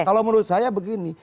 kalau menurut saya begini